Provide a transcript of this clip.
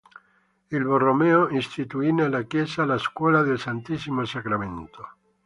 Il Borromeo istituì nella chiesa la scuola del Santissimo Sacramento.